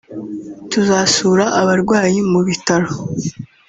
tuzasura abarwayi mu bitaro